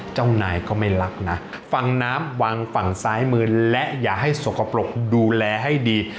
เจ้านายก็ไม่รักนะฟังน้ำวังฝั่งซ้ายมือและอย่าให้สกปรกดูแลให้ดี